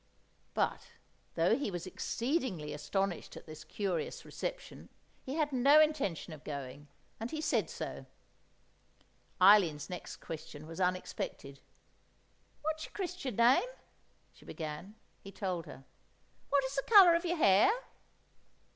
But, though he was exceedingly astonished at this curious reception, he had no intention of going, and he said so. Eileen's next question was unexpected. "What is your Christian name?" she began. He told her. "What is the colour of your hair?"